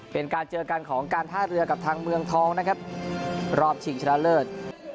เป็นการเจอกันของการท่าเรือกับทางเมืองทองนะครับรอบชิงชนะเลิศ